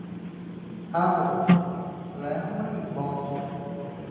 เอ้า แล้วไม่บอก